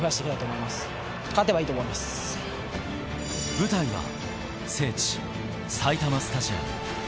舞台は聖地、埼玉スタジアム。